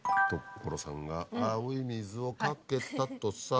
所さんが青い水をかけたとさ